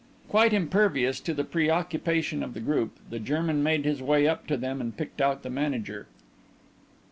Quite impervious to the preoccupation of the group, the German made his way up to them and picked out the manager.